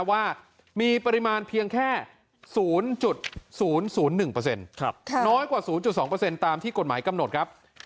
ว่ามีปริมาณเพียงแค่๐๐๑น้อยกว่า๐๒ตามที่กฎหมายกำหนดครับ